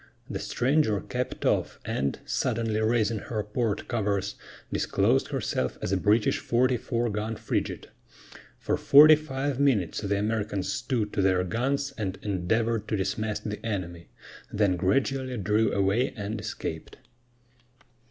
The stranger kept off, and, suddenly raising her port covers, disclosed herself as a British 44 gun frigate. For forty five minutes the Americans stood to their guns and endeavored to dismast the enemy, then gradually drew away and escaped.